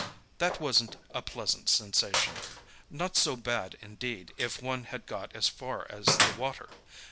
That wasn't a pleasant sensation—not so bad, indeed, if one had got as far as the water.